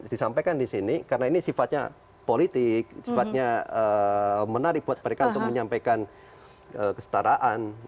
disampaikan di sini karena ini sifatnya politik sifatnya menarik buat mereka untuk menyampaikan kestaraan